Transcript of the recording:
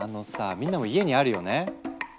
みんなも家にあるよね？